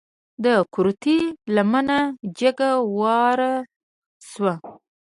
د کورتۍ لمنه جګه واره شوه.